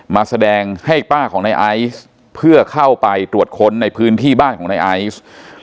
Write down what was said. มาแสดงให้ป้าของในไอซ์เพื่อเข้าไปตรวจค้นในพื้นที่บ้านของในไอซ์